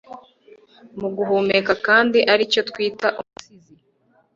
Muguhumeka kandi aricyo twita umusizi